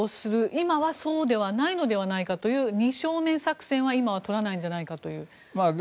今はそうではないのではないかという二正面作戦は今は取らないんじゃないかという。